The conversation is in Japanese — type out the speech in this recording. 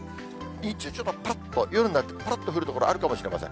日中、ちょっとぱらっと、夜になってぱらっと降る所あるかもしれません。